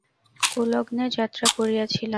কুলগ্নে যাত্রা করিয়াছিলাম!